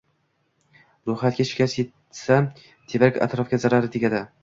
Ruhiyatga shikast yetsa, tevarak-atrofga zarari tegadi.